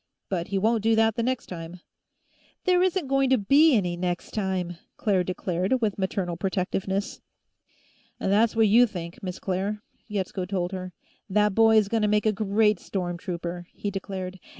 But he won't do that the next time." "There isn't going to be any next time!" Claire declared, with maternal protectiveness. "That's what you think, Miss Claire," Yetsko told her. "That boy's gonna make a great storm trooper," he declared.